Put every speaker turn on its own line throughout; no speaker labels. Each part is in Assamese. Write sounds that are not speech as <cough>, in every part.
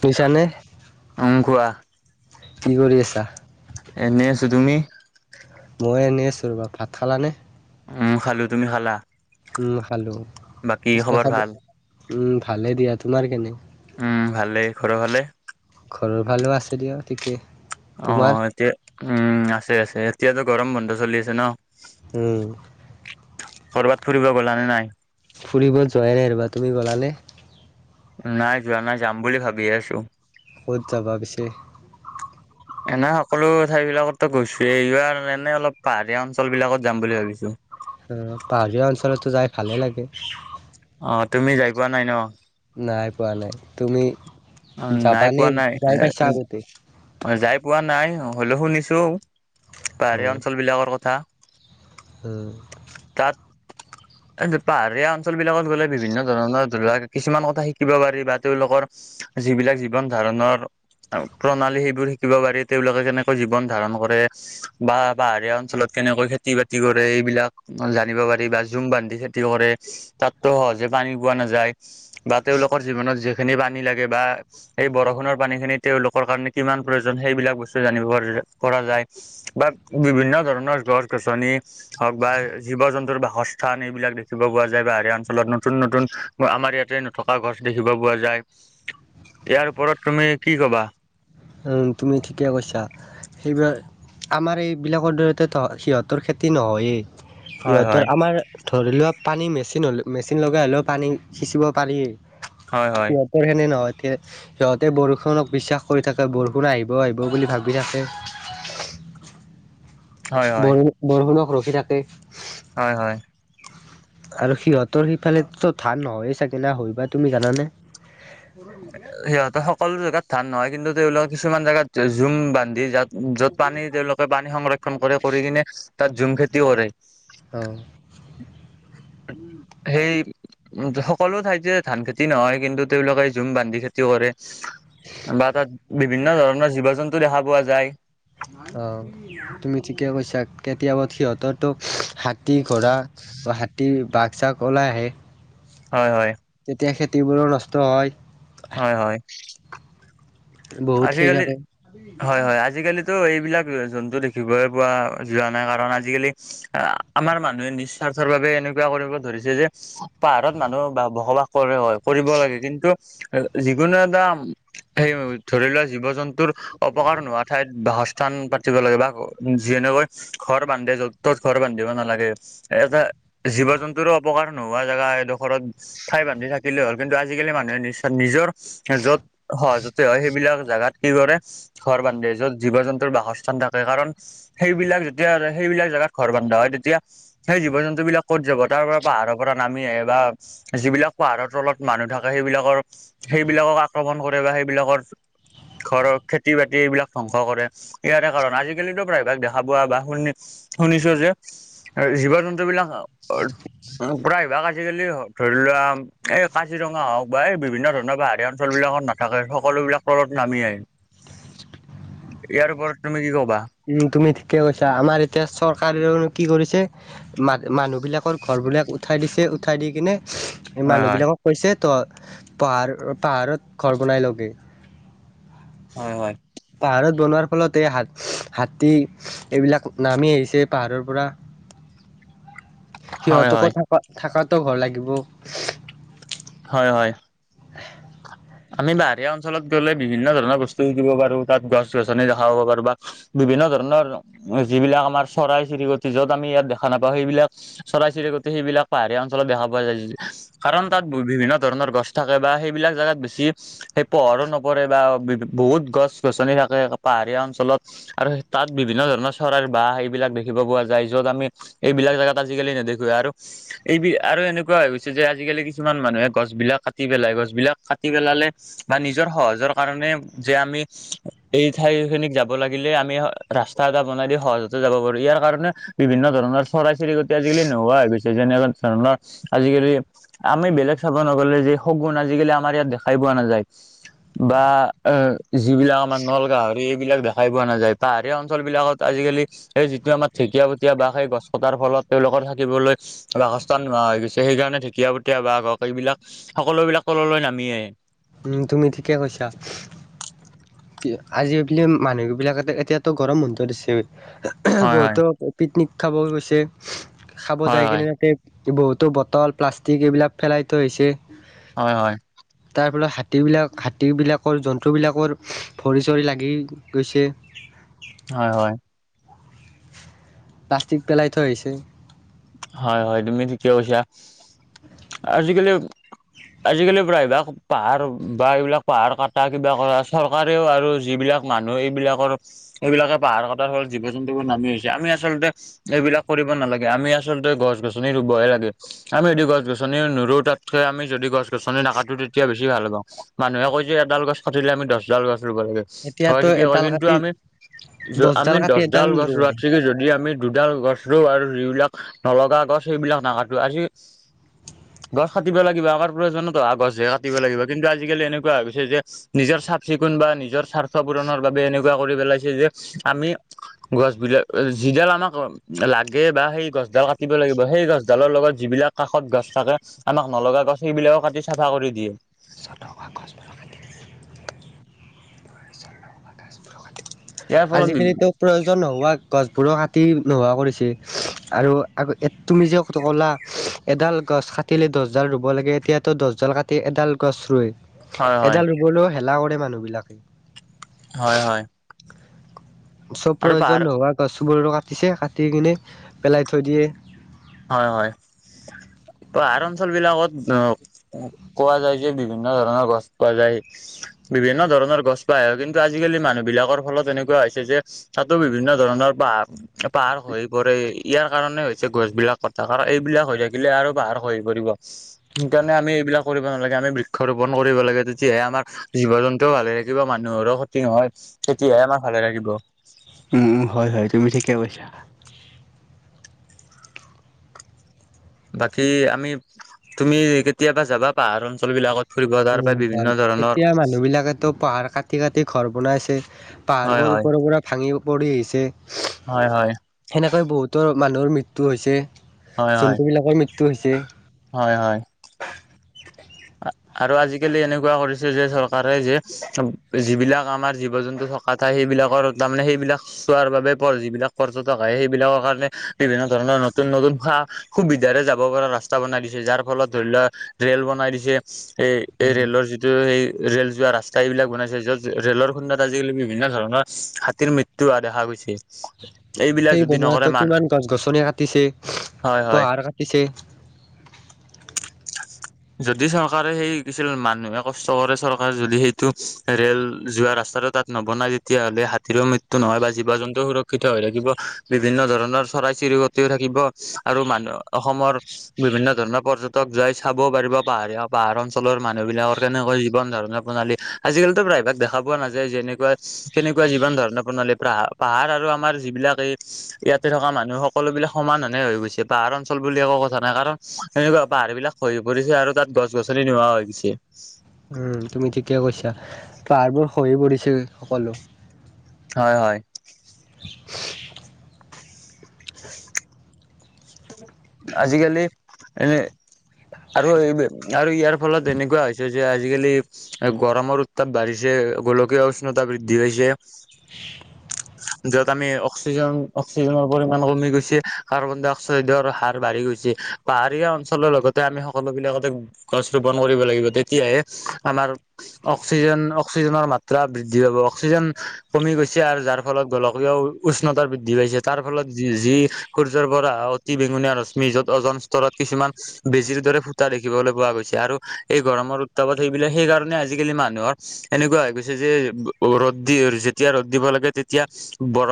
শুনিছানে
উম কোৱা
কি কৰি আছা?
এনেই আছো তুমি?
মই এনেই আছো ৰবা ভাত খালানে?
উম খালোঁ তুমি খালা?
উম খালোঁ
বাকী
পিছে
খবৰ ভাল
উম ভালে দিয়া তোমাৰ কেনে?
উম ভালে ঘৰৰ ফালে?
ঘৰৰ ফালেও আছে দিয়া ঠিকেই।
অ' এতিয়া উম আছে আছে। এতিয়াতো গৰম বন্ধ চলি আছে ন?
উম
কৰবাত ফুৰিব গ'লা নে নাই?
ফুৰিব যোৱাই নাই ৰ'বা, তুমি গ'লা নে?
নাই যোৱা নাই যাম বুলি ভাবি আছো।
ক'ত যাবা পিছে?
এনে সকলো ঠাই বিলাকতো গৈছোয়ে, এইবাৰ এনে অলপ পাহাৰীয়া অঞ্চল বিলাকত যাম বুলি ভাবিছো।
অ' পাহাৰীয়া অঞ্চলতো যাই ভালে লাগে।
অ' তুমি যাই পোৱা নাই ন?
নাই পোৱা নাই। তুমি
উম, নাই
যাবানে
পোৱা নাই
যাই
এ
পাইছা আগতে?
যাই পোৱা নাই হ'লেও শুনিছো
অ
পাহাৰীয়া অঞ্চল বিলাকৰ কথা।
উম।
তাত এই পাহাৰীয়া অঞ্চল বিলাকত গ'লে বিভিন্ন ধৰণৰ ধৰিলোৱা কিছুমান কথা শিকিব পাৰি বা তেওঁলোকৰ যিবিলাক জীৱন ধাৰণৰ প্ৰণালী সেইবোৰ শিকিব পাৰি তেওঁলোকে কেনেকৈ জীৱন ধাৰণ কৰে বা পাহাৰীয়া অঞ্চলত কেনেকৈ খেতি-বাতি কৰে সেইবিলাক জানিব পাৰি, বা জুম বান্ধি খেতি কৰে, তাতো সহজে পানী পোৱা নাযায়। বা তেওঁলোকৰ জীৱনত যিখিনি পানী লাগে বা এই বৰষুণৰ পানীখিনি তেওঁলোকৰ কাৰণে কিমান প্ৰয়োজন সেইবিলাক বস্তু জানিব পৰা পৰা যায়। বা বিভিন্ন ধৰণৰ গছ-গছনি হওক বা জীৱ-জন্তুৰ বাসস্থান এইবিলাক দেখিব পোৱা যায় পাহাৰীয়া অঞ্চলত, নতুন নতুন আমাৰ ইয়াতে থকা গছ দেখিব পোৱা যায়। ইয়াৰ ওপৰত তুমি কি কবা?
উম তুমি ঠিকে কৈছা সেইবিলাক, আমাৰ এইবিলাকৰ দৰে সিহঁতৰ খেতি নহয়েই
হয় হয়
সিহঁতৰ আমাৰ ধৰি লোৱা পানী মেচিন হ'লে মেচিন লগাই হ'লেও পানী সিঁচিব পাৰি
হয় হয়।
সিহঁতৰ নহয়। সিহঁতে বৰষুণক বিশ্বাস কৰি থাকে তাত বৰষুণ আহিব আহিব বুলি ভাবি থাকে।
হয় হয়
বৰ-বৰষুণক ৰখি থাকে।
হয় হয়।
আৰু সিহঁতৰ সিফালেতো ধান নহয়ে চাগে না হয়বা তুমি জানে?
সিহঁতৰ সকলো জেগাত ধান নহয়, কিন্তু তেওঁলোকে কিছুমান জেগাত ঝুম বান্ধি জা য'ত পানী তেওঁলোকে পানী সংৰক্ষণ কৰে কৰি কিনে তাত ঝুম খেতি কৰে।
অ।
সেই উম সকলো ঠাইতে ধান খেতি নহয় কিন্তু তেওঁলোকে ঝুম বান্ধি খেতি কৰে। বা তাত বিভিন্ন ধৰণৰ জীৱ জন্তু দেখা পোৱা যায়।
অ তুমি ঠিকে কৈছা কেতিয়াবা সিহঁতৰতো হাতী, ঘোঁৰা হাতী, বাঘ-চাঘ ওলাই আহে
হয় হয়।
তেতিয়া খেতিবোৰো নষ্ট হয়।
হয় হয়।
<unintelligible> বহুত খেতি
আজিকালি
থাকে।
হয় হয় আজিকালি তো এইবিলাক জন্তু দেখিবলৈ পোৱা যোৱা নাই কাৰণ আজিকালি আমাৰ মানুহে নিজ স্বাৰ্থৰ বাবে এনেকোৱা কৰিব ধৰিছে যে পাহাৰত মানুহ বা বসবাস কৰে হয় কৰিব লাগে কিন্তু যিকোনো এটা হেই ধৰি লোৱা জীৱ জন্তুৰ অপকাৰ নোহোৱা ঠাইত বাসস্থান পাতিব লাগে বা যেনেকৈ ঘৰ বান্ধে য'ত ত'ত ঘৰ বান্ধিব নালাগে এটা জীৱ জন্তুৰো অপকাৰ নোহোৱা জেগা এডোখৰত ঠাই বান্ধি থাকিলেই হ'ল কিন্তু আজিকালি মানুহে নি নিজৰ এ য'ত সহজতে হয় সেই জেগাত কি কৰে ঘৰ বান্ধে য'ত জীৱ জন্তুৰ বাসস্থান থাকে কাৰণ সেইবিলাক যেতিয়া সেইবিলাক জেগাত ঘৰ বান্ধা হয় তেতিয়া সেই জীৱ জন্তু বিলাক ক'ত যাব তাৰ পৰা পাহাৰৰ পৰা নামি আহে বা যিবিলাক পাহাৰৰ তলত মানুহ থাকে সেইবিলাকৰ সেইবিলাকক আক্ৰমণ কৰে বা সেইবিলাকৰ ঘৰৰ খেতি বাতি এইবিলাক ধ্বংস কৰে ইয়াৰে কাৰণ আজিকালিতো প্ৰায়ভাগ দেখা পোৱা বা শুনি শুনিছো যে জীৱ -জন্তু বিলাক আ উ প্ৰায়ভাগ আজিকালি ধৰি লোৱা এই উ উ উ প্ৰায়ভাগ আজি কালি ধৰি লোৱা এই কাজিৰঙা হওক বা এই বিভিন্ন ধৰণৰ পাহাৰীয়া অঞ্চল বিলাকত না <unintelligible> থাকে সকলোবিলাক তলত নামি আহে ইয়াৰ ওপৰত তুমি কি কবা
উম তুমি ঠিকে কৈছা আমাৰ এতিয়া চৰকাৰেনো কি কৰিছে মা মানুহ বিলাকৰ ঘৰবিলাক উঠাই দিছে উঠাই দি কিনে
হয়
মানুহ
হয়।
বিলাকক কৈছে তই পাহাৰ পাহাৰত ঘৰ বনাই লবি
হয় হয়
পাহাৰত বনোৱাৰ ফলত এই হা হাতী এইবিলাক নামি আহিছে পাহাৰৰ পৰা
হয়
সিহঁতকো
হয়
থকা থকাতো ঘৰ লাগিব
হয় হয়
হে
আমি পাহাৰীয়া অঞ্চলত গ'লে বিভিন্ন ধৰণৰ বস্তু শিকিব পাৰো তাত গছ গছনি দেখা পাব পাৰো বা বিভিন্ন ধৰণৰ যিবিলাক আমাৰ চৰাই চিৰিকটি য'ত আমি ইয়াত দেখা নাপাও সেইবিলাক চৰাই চিৰিকটি সেইবিলাক পাহাৰীয়া অঞ্চলত দেখা পোৱা যায় কাৰণ তাত বিভিন্ন ধৰণৰ গছ থাকে বা সেইবিলাক জেগাত বে ছি সেই পোহৰো নপৰে বা বহুত গছ গছনি থাকে পাহাৰীয়া অঞ্চলত আৰু তাত বিভিন্ন ধৰণৰ চৰাইৰ বাঁহ এইবিলাক দেখিব পোৱা যায় য'ত আমি এইবিলাক জেগাত আজিকালি নেদেখোৱে আৰু এইবি আৰু এনেকোৱা হৈ গৈছে যে আজিকালি কিছুমান মানুহে গছ বিলাক কাটি পেলাই গছ বিলাক কাটি পেলালে বা নিজৰ সহজৰ কাৰণে যে আমি এই ঠাইখিনিক যাব লাগিলে, আমি ৰাস্তা এটা বনাই দি সহজতে যাব পাৰো ইয়াৰ কাৰণে বিভিন্ন ধৰণৰ চৰাই, চিৰিকটি আজিকালি নোহোৱা হৈ গৈছে যেনেকোৱা ধৰণৰ আজিকালি আমি বেলেগ চাব নগলে যে শগুন আজিকালি আমাৰ ইয়াত দেখাই পোৱা নাযায়। বা এ যিবিলাক আমাৰ নল গাহৰি এইবিলাক দেখাই পোৱা নাযায়, পাহাৰীয়া অঞ্চল বিলাকত আজিকালি এই যিটো আমাৰ ঢেঁকীয়াপতীয়া বাঘ সেই গছ কটাৰ ফলত তেওঁলোকৰ থাকিবলৈ বাসস্থান নোহোৱা হৈ গৈছে সেইকাৰণে ঢেঁকীয়াপতীয়া বাঘ এইবিলাক সকলো বিলাক তললৈ নামি আহে।
উ, তুমি ঠিকে কৈছা। আজিকালি মানুহ বিলাক এতিয়াতো গৰম বন্ধ দিছে,
হয়
বহুতো পিকনিক খাব গৈছে, খাব
হয়
যায় কিনে
হয়
তাতে বহুতো বটল, প্লাষ্টিক এইবিলাক পেলাই থৈ আহিছে।
হয়, হয়।
তাৰ ফলত হাতীবিলাক, হাতীবিলাকৰ জন্তুবিলাকৰ ভৰি চৰি লাগি গৈছে।
হয়, হয়।
প্লাষ্টিক পেলাই থৈ আহিছে।
হয়, হয়, তুমি ঠিকে কৈছা, আজিকালি আজিকালি প্ৰায়ভাগ পাহাৰ বা এইবিলাক পাহাৰ কটা কিবা কৰা চৰকাৰেও আৰু যিবিলাক মানুহ এইবিলাকৰ এইবিলাকে পাহাৰ কটাৰ ফলত জীৱ জন্তুবোৰ নামি আহিছে, আমি আচলতে এইবিলাক কৰিব নালাগে, আমি আ আচলতে গছ গছনি ৰুবহে লাগে। আমি যদি গছ গছনি নুৰো, তাতকে আমি যদি গছ গছনি নাকাটো তেতিয়া বেছি ভাল হ'ব। মানুহে কয় যে এডাল গছ কাটিলে আমি দছ ডাল গছ ৰুব লাগে। হয়
এতিয়াতো
ঠিকে কয়,
এডাল
কিন্তু
কাটি
আমি আমি
দহডাল কাটি এডাল
দছডাল গছ
ৰুৱাই।
ৰুৱাত থিকি যদি আমি দুডাল গছ ৰোওঁ, আৰু যিবিলাক নলগা গছ সেইবিলাক নাকাটো আজি গছ কাটিব লাগিব, আগৰ <unintelligible> গছহে কাটিব লাগিব, কিন্তু আজি কালি এনেকুৱা হৈ গৈছে যে নিজৰ চাফ চিকুণ বা নিজৰ স্বাৰ্থ পূৰণৰ বাবে এনেকুৱা কৰি পেলাইছে যে আমি গছ বিলাক যিডাল আমাক লাগে বা সেই গছ ডাল কাটিব লাগিব, সেই গছ ডালৰ লগত যিবিলাক কাষত গছ থাকে আমাক নলগা গছ সেইবিলাকো কাটি চাফা কৰি দিয়ে।
<unintelligible> গছবোৰো কাটি দিছে, <unintelligible> গছবোৰো
ইয়াৰ
<unintelligible>
ফলত
আজি কালিতো প্ৰয়োজন নোহোৱা গছবোৰো কাটি নোহোৱা কৰিছে, আৰু তুমি যে ক'লা এডাল গছ কাটিলে দছডাল ৰুব লাগে এতিয়াতো দছডাল কাটি এডাল গছ ৰুৱে,
হয় হয়
এডাল ৰুবলৈও হেলা কৰে মানুহ বিলাকে।
হয়, হয়।
চব
আৰু পাহাৰ
প্ৰয়োজন নোহোৱা গছোবোৰো কাটিছে কাটি কিনে পেলাই থৈ দিয়ে।
হয়, হয়, পাহাৰ অঞ্চল বিলাকত অ' কোৱা যায় যে, বিভিন্ন ধৰণৰ গছ পোৱা যায়। বিভিন্ন ধৰণৰ গছ পাই হয় কিন্তু আজিকালি মানুহ বিলাকৰ ফলত এনেকুৱা হৈছে যে তাতো বিভিন্ন ধৰণৰ পাহা পাহাৰ খহি পৰে ইয়াৰ কাৰনে হৈছে গছবিলাক। <unintelligible> এইবিলাক হৈ থাকিলে আৰু পাহাৰ খহি পৰিব। সেইকাৰণে আমি এইবিলাক কৰিব নালাগে আমি বৃক্ষ ৰোপন কৰিব লাগে, তেতিয়াহে আমাৰ জীৱ জন্তুও ভালে থাকিব মানুহৰো খতি নহয়, তেতিয়াহে আমাৰ ভালে থাকিব।
উম, হয়, হয়, তুমি ঠিকে কৈছা।
বাকী আমি তুমি কেতিয়াবা যাবা পাহাৰ অঞ্চল বিলাকত। ফুৰিব তাৰ পৰা
উম,
বিভিন্ন
<unintelligible>
ধৰণৰ
এতিয়া মানুহ বিলাকেতো পাহাৰ কাটি কাটি ঘৰ বনাইছে।
হয়
পাহাৰবোৰ
হয়
ওপৰৰ পৰা ভাঙি পৰি আহিছে।
হয়, হয়।
সেনেকৈ বহুতৰ মানুহৰ মৃত্যু হৈছে,
হয় হয়
জন্তু বিলাকৰ মৃত্যু হৈছে।
হয়, হয়।
<inaudible>
আ আৰু আজিকালি এনেকুৱা কৰিছে যে চৰকাৰে যে যিবিলাক আমাৰ জীৱ জন্তু থকা ঠাই সেইবিলাকৰ তাৰমানে সেইবিলাক চোৱাৰ বাবে পৰ যিবিলাক পৰ্যটক আহে সেইবিলাকৰ কাৰণে বিভিন্ন ধৰণৰ নতুন নতুন সা সুবিধাৰে যাব পৰা ৰাস্তা বনাই দিছে যাৰ ফলত ধৰি লোৱা ৰেল বনাই দিছে এ। এই ৰেলৰ যিটো। যে সেই ৰেল যোৱা ৰাস্তা এইবিলাক বনাইছে য'ত ৰেলৰ খুন্দাত আজিকালি বিভিন্ন ধৰণৰ হাতীৰ মৃত্যু মৃত্যু হোৱা দেখা গৈছে এইবিলাক
সেই
যদি নকৰে
বনোৱাতো
মান
কিমান গছ গছনি কাটিছে,
হয় হয়
পাহাৰ কাটিছে। <inaudible>
যদি চৰকাৰে সেই কি আছিল মানুহে কষ্ট কৰে চৰকাৰে যদি সেইটো ৰেল যোৱা ৰাস্তাটো তাত নবনাই তেতিয়াহ'লে হাতীৰো মৃত্যু নহয় বা জীৱ জন্তুও সুৰক্ষিত হৈ থাকিব বিভিন্ন ধৰণৰ চৰাই চিৰিক তিও থাকিব আৰু মানুহ অসমৰ বিভিন্ন ধৰণৰ পৰ্যটক যাই চাব পাৰিব পাহাৰীয়া, পাহাৰ অঞ্চলৰ মানুহ বিলাকৰ কেনেকৈ জীৱন ধাৰণা প্ৰণালী। আজিকালিতো প্ৰায়ভাগ দেখা পোৱা নাযায় যেনেকুৱা কেনেকুৱা জীৱন ধৰণৰ প্ৰণালী পাহ পাহাৰ আৰু আমাৰ যিবিলাক এই ইয়াতে থকা মানুহ সকলোবিলাক সমান হানে হৈ গৈছে পাহাৰ অঞ্চল বুলি একো কথা নাই কাৰণ সেনেকুৱা পাহাৰ বিলাক খহি পৰিছে আৰু তাত গছ গছনি নোহোৱা হৈ গৈছে।
উম তুমি ঠিকে কৈছা পাহাৰবোৰ খহি পৰিছে সকলো
হয় হয়।
<inaudible>
<inaudible> আজিকালি এনে আৰু এই আৰু ইয়াৰ ফলত এনেকুৱা হৈছে যে আজিকালি গৰমৰ উত্তাপ বাঢ়িছে, গোলকীয় উষ্ণতা বৃদ্ধি পাইছে।
<inaudible>
য'ত আমি অক্সিজেন, অক্সিজেনৰ পৰিমাণ কমি গৈছে কাৰ্বন ডাই অক্সাইডৰ হাৰ বাঢ়ি গৈছে পাহাৰীয়া অঞ্চলৰ লগতে আমি সকলো বিলাকতে গছ ৰোপন কৰিব লাগিব তেতিয়াহে আমাৰ অক্সিজেন, অক্সিজেনৰ মাত্ৰা বৃদ্ধি পাব অক্সিজেন কমি গৈছে আৰু যাৰ ফলত গোলকীয় উষ্ণতা বৃদ্ধি পাইছে তাৰ ফলত যি সূৰ্যৰপৰা অহা অতি বেঙুনীয়া ৰশ্মি <unintelligible> যত অ'জন স্তৰত কিছুমান বেজিৰ দৰে ফুটা দেখিবলৈ পোৱা গৈছে আৰু এই গৰমৰ উত্তাপত সেইবিলাক সেইকাৰণে আজিকালি মানুহৰ এনেকুৱা হৈ গৈছে যে ৰ'দ দি যেতিয়া ৰ'দ দিব লাগে তেতিয়া বৰ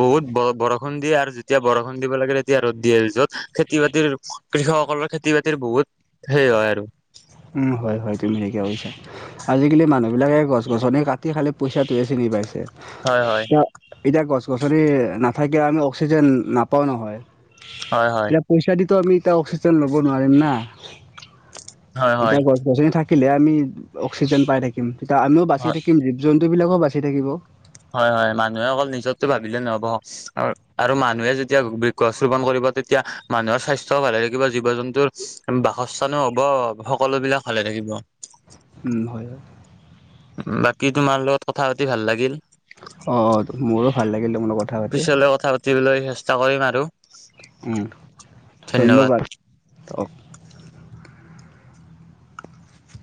বহুত ব বৰষুণ দিয়ে আৰু যেতিয়া বৰষুণ দিব লাগে তেতিয়া ৰ'দ দিয়ে আৰু য'ত খেতি বাতিৰ কৃষকসকলৰ খেতি বাতিৰ বহুত সেই হয় আৰু।
হয়, হয় তুমি ঠিকে কৈছা। আজিকালি মানুহবিলাকে গছ গছনি কাটি খালি পইচাটোহে চিনি পাইছে।
হয় হয়।
এতিয়া গছ গছনি নাথাকিলে আমি অক্সিজেন নাপাও নহয়।
হয়, হয়।
এতিয়া পইচা দিটো আমি এতিয়া অক্সিজেন ল'ব নোৱাৰিম না।
হয় হয়
এতিয়া গছ গছনি থাকিলেহে আমি অক্সিজেন পাই থাকিম তেতিয়া আমিও বাচি
হয়
থাকিম, জীৱ জন্তুবিলাকো বাচি থাকিব।
হয়, হয় মানুহে অকল নিজৰটো ভাবিলে নহ'ব। আ আৰু মানুহে যেতিয়া বৃক্ষ গছ ৰোপন কৰিব তেতিয়া মানুহৰ স্বাস্থ্যও ভালে থাকিব জীৱ জন্তুৰ বাসস্থানো হ'ব সকলো বিলাক ভালে থাকিব।
উম, হয় হয়।
বাকী তোমাৰ লগত কথা পাতি ভাল লাগিল।
অ' মোৰো ভাল লাগিল তোমাৰ লগত কথা পাতি।
দিবলৈ চেষ্টা কৰিম আৰু।
উম ধন্যবাদ অ